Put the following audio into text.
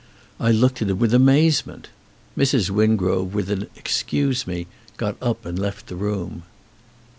I looked at him with amaze ment. Mrs. Wingrove with an "excuse me" got up and left the room.